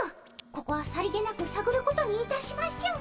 ここはさりげなくさぐることにいたしましょう。